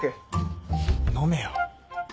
飲めよ。